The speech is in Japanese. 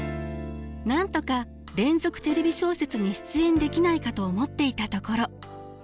なんとか「連続テレビ小説」に出演できないかと思っていたところ。